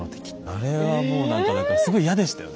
あれはもう何かだからすごい嫌でしたよ